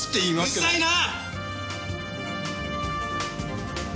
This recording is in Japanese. うっさいな！